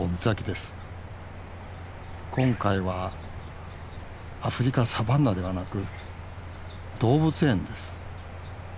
今回はアフリカサバンナではなく動物園です。